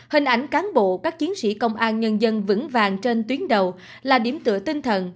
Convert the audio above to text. hình ảnh cán bộ các chiến sĩ công an nhân dân vững vàng trên tuyến đầu là điểm tựa tinh thần